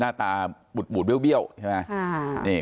หน้าตาปูดเบี้ยวใช่ไหม